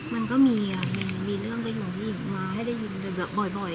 มันก็มีอ่ะมันมีเรื่องเป็นของผู้หญิงมาให้ได้ยินบ่อยบ่อย